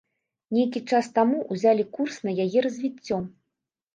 Нейкі час таму ўзялі курс на яе развіццё.